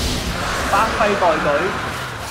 百廢待舉